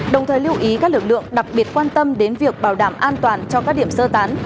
đồng thời lưu ý các lực lượng đặc biệt quan tâm đến việc bảo đảm an toàn cho các điểm sơ tán